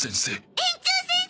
園長先生！